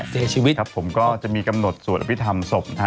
เสียชีวิตครับผมก็จะมีกำหนดสวดอภิษฐรรมศพนะฮะ